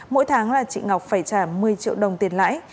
mỗi tháng là chị ngọc phải trả một mươi triệu đồng tiền lãi